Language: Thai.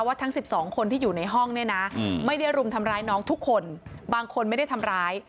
ทั้ง๑๒คนที่อยู่ในห้องเนี่ยนะไม่ได้รุมทำร้ายน้องทุกคนบางคนไม่ได้ทำร้าย